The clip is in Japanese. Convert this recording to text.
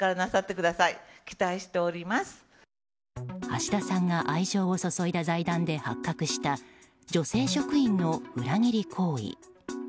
橋田さんが愛情を注いだ財団で発覚した女性職員の裏切り行為。